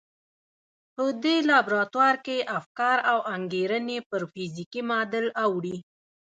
په دې لابراتوار کې افکار او انګېرنې پر فزيکي معادل اوړي.